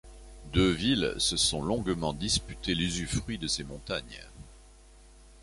Deux villes se sont longuement disputées l'usufruit de ces montagnes.